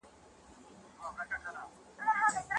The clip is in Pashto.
د بل په حق تجاوز مه کوئ.